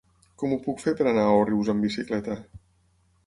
Com ho puc fer per anar a Òrrius amb bicicleta?